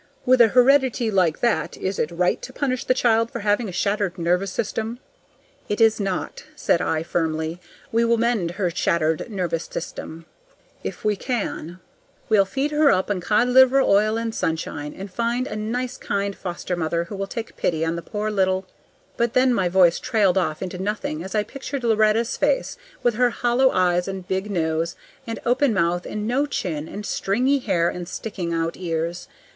"With a heredity like that, is it right to punish the child for having a shattered nervous system?" "It is not," said I, firmly. "We will mend her shattered nervous system." "If we can." "We'll feed her up on cod liver oil and sunshine, and find a nice kind foster mother who will take pity on the poor little " But then my voice trailed off into nothing as I pictured Loretta's face, with her hollow eyes and big nose and open mouth and no chin and stringy hair and sticking out ears.